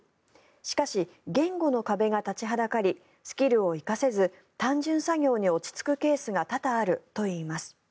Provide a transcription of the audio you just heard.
しかし、言語の壁が立ちはだかりスキルを生かせず単純作業に落ち着くケースが多々あるといいます。